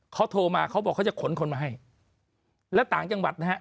เขาโทรมาเขาบอกเขาจะขนคนมาให้แล้วต่างจังหวัดนะฮะ